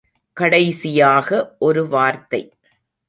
கடைசியாக ஒரு வார்த்தை.